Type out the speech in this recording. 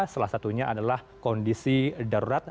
salah satunya adalah kondisi darurat